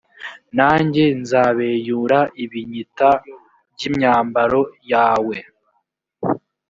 nanjye nzabeyura ibinyita by imyambaro yawe